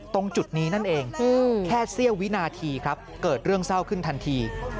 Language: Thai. ตรงจุดนี้นั่นเองแค่เสี้ยววินาทีครับเกิดเรื่องเศร้าขึ้นทันที